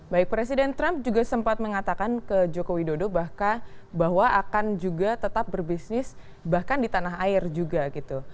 baik presiden trump juga sempat mengatakan ke joko widodo bahwa akan juga tetap berbisnis bahkan di tanah air juga gitu